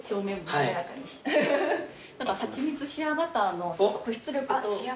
はちみつシアバターの保湿力と。